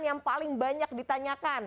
yang paling banyak ditanyakan